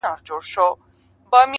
اوس به څنګه نكلچي غاړه تازه كي؛